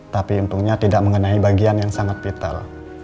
tapi untungnya tidak mengenai bagian yang sangat vital